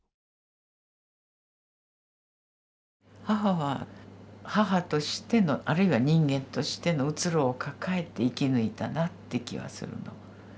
母は母としてのあるいは人間としての虚ろを抱えて生き抜いたなって気はするの。